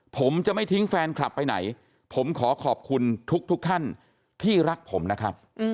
ผมจะไม่ทิ้งแฟนคลับไปไหนผมขอขอบคุณทุกท่านที่รักผมนะครับ